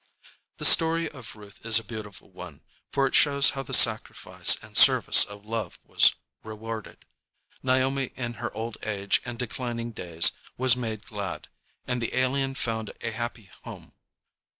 The story of Ruth is a beautiful one, for it shows how the sacrifice and service of love was rewarded. Naomi in her old age and declining days was made glad, and the alien found a happy home.